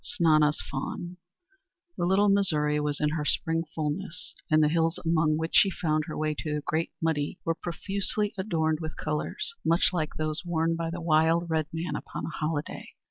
V SNANA'S FAWN The Little Missouri was in her spring fulness, and the hills among which she found her way to the Great Muddy were profusely adorned with colors, much like those worn by the wild red man upon a holiday!